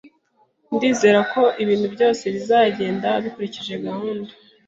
Ndizera ko ibintu byose bizagenda bikurikije gahunda